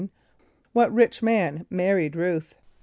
= What rich man married R[u:]th?